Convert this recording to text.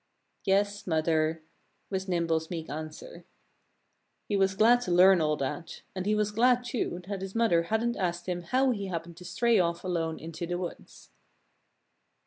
"Yes, Mother!" was Nimble's meek answer. He was glad to learn all that. And he was glad, too, that his mother hadn't asked him how he happened to stray off alone into the woods.